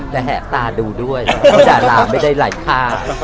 แต่แหกตาดูด้วยไม่ได้หลายคา